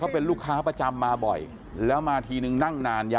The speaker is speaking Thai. เป็นลูกค้าประจำมาบ่อยแล้วมาทีนึงนั่งนานยัง